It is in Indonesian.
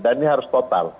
dan ini harus total